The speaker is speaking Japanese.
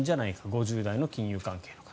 ５０代の金融関係の方。